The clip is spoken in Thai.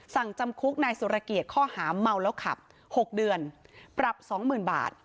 จำคุกนายสุรเกียจข้อหาเมาแล้วขับ๖เดือนปรับ๒๐๐๐บาท